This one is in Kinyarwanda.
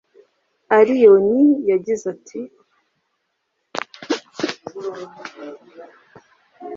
Allioni yagize ati